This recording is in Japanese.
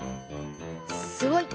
すごい！